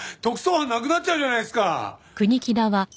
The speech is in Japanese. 特捜班なくなっちゃうじゃないですか！